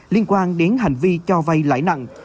liên quan đến hành vi cho vay lãi nặng